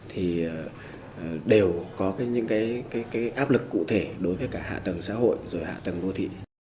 thì đều có những cái áp lực cụ thể đối với cả hạ tầng xã hội rồi hạ tầng đô thị